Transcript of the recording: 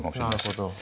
なるほど。